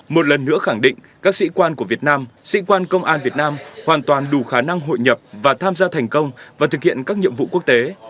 một lần nữa khẳng định các sĩ quan của việt nam sĩ quan công an việt nam hoàn toàn đủ khả năng hội nhập và tham gia thành công và thực hiện các nhiệm vụ quốc tế